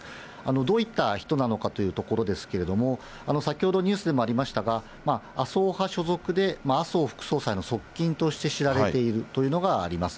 どういった人なのかというところですけれども、先ほどニュースでもありましたが、麻生派所属で、麻生副総裁の側近として知られているというのがあります。